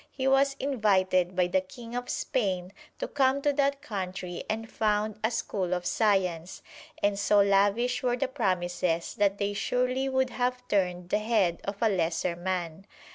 He was invited by the King of Spain to come to that country and found a School of Science, and so lavish were the promises that they surely would have turned the head of a lesser man.